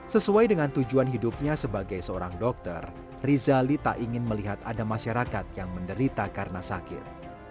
sesuai dengan tujuan hidupnya sebagai seorang dokter rizali tak ingin melihat ada masyarakat yang menderita karena sakit